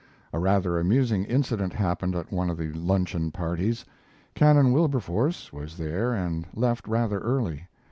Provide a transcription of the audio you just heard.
A rather amusing incident happened at one of the luncheon parties. Canon Wilberforce was there and left rather early.